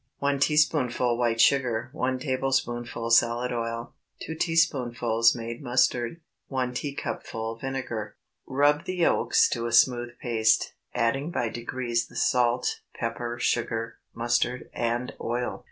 1 teaspoonful white sugar. 1 tablespoonful salad oil. 2 teaspoonfuls made mustard. 1 teacupful vinegar. Rub the yolks to a smooth paste, adding by degrees the salt, pepper, sugar, mustard, and oil.